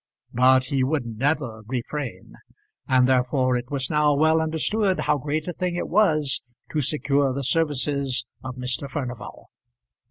But he would never refrain; and therefore it was now well understood how great a thing it was to secure the services of Mr. Furnival.